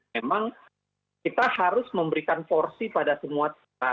memang kita harus memberikan porsi pada semua cara